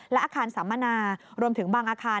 และอาคารสัมมนารวมถึงบางอาคาร